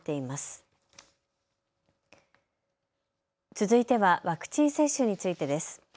続いてはワクチン接種についてです。